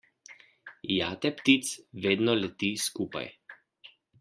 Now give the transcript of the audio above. Jate ptic vedno leti skupaj.